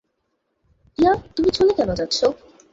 টিয়া, তুমি চলে কেন যাচ্ছ।